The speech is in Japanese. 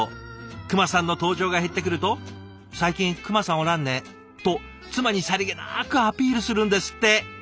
「クマさん」の登場が減ってくると「最近クマさんおらんね」と妻にさりげなくアピールするんですって。